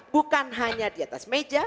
bukan hanya di atas meja